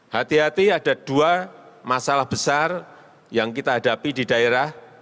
hati hati ada dua masalah besar yang kita hadapi di daerah